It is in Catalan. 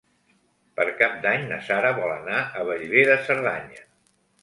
Per Cap d'Any na Sara vol anar a Bellver de Cerdanya.